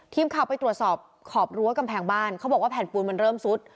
ทีมข่าวไปตรวจสอบขอบรั้วกำแพงบ้านเขาบอกว่าแผ่นปูนมันเริ่มซุด